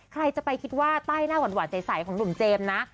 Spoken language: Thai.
ใครจะไปคิดว่าใต้หน้าหวานใสของหนุ่มเจมส์นะ